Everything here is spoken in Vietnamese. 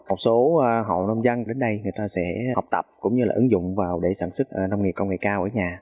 một số hộ nông dân đến đây sẽ học tập cũng như ứng dụng nông dân